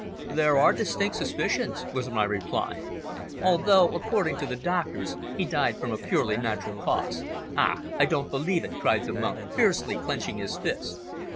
"There are distinct suspicions," was my reply. "Although, according to the doctors, he died from a purely natural cause." "Ah! I don't believe it!" cried the monk, fiercely clenching his fist.